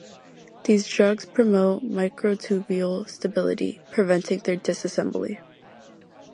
These drugs promote microtubule stability, preventing their disassembly.